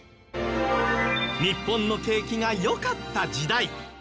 日本の景気が良かった時代